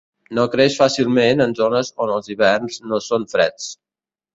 No creix fàcilment en zones on els hiverns no són freds.